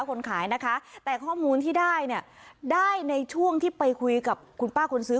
คนขายนะคะแต่ข้อมูลที่ได้เนี่ยได้ในช่วงที่ไปคุยกับคุณป้าคนซื้อ